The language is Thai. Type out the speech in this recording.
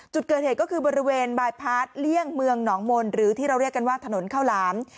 จุดเกิดเหตุก็คือบริเวณบายพาร์ทเลี่ยงเมืองหนองมนต์หรือที่เราเรียกกันว่าถนนข้าวหลาม